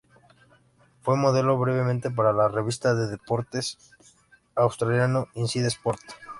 Fue modelo brevemente para la revista de deporte australiano "Inside Sport".